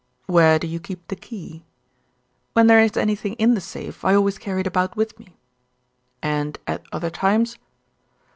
"Where do you keep the key?" "When there is anything in the safe I always carry it about with me." "And at other times?"